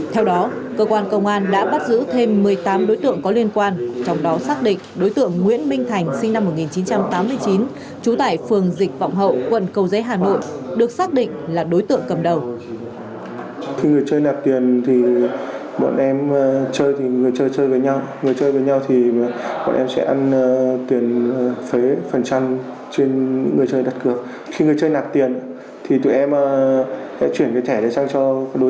theo đó cơ quan công an đã bắt giữ thêm một mươi tám đối tượng có liên quan trong đó xác định đối tượng nguyễn minh thành sinh năm một nghìn chín trăm tám mươi chín chú tại phường dịch vọng hậu quận cầu dế hà nội được xác định là đối tượng cầm đầu